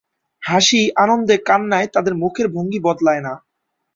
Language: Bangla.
হাসি আনন্দে কান্নায় তাদের মুখের ভঙ্গি বদলায় না।